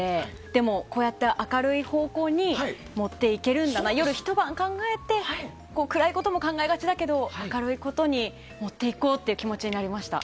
でも、こうやって明るい方向に持っていけるんだな夜ひと晩考えて暗いことも考えがちだけど明るいことに持っていこうという気持ちになりました。